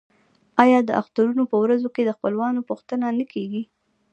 آیا د اخترونو په ورځو کې د خپلوانو پوښتنه نه کیږي؟